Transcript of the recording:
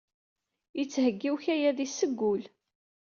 Yettheggi i ukayad-is seg wul.